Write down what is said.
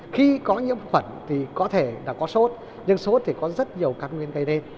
khi có nhiễm khuẩn thì có thể có sốt nhưng sốt thì có rất nhiều các nguyên cây đen